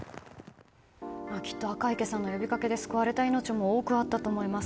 きっと赤池さんの呼びかけで救われた命も多くあったと思います。